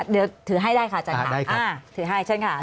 เดี๋ยวถือให้ได้ค่ะอาจารย์ค่ะถือให้เชิญค่ะ